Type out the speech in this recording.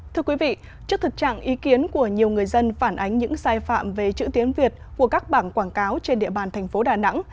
thưa quý vị trước thực trạng ý kiến của nhiều người dân phản ánh những sai phạm về chữ tiếng việt của các bảng quảng cáo trên địa bàn thành phố đà nẵng